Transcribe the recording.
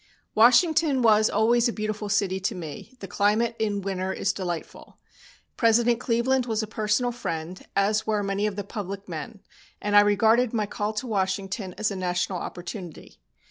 Washington was always a beautiful city to me, the climate in winter is delightful. President Cleveland was a personal friend, as were many of the public men, and I regarded my call to Washington as a national opportunity.